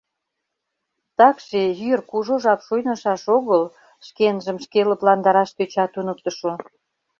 — Такше йӱр кужу жап шуйнышаш огыл, — шкенжым шке лыпландараш тӧча туныктышо.